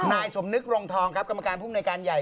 นายสมนึกรงทองครับกรรมการภูมิในการใหญ่